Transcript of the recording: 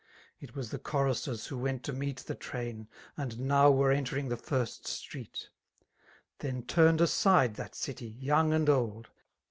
It was the choristers who went to meet The tmin» and now were entering the first street* Then turned aside that city» young and old.